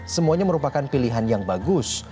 semuanya merupakan pilihan yang bagus